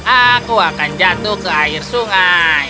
aku akan jatuh ke air sungai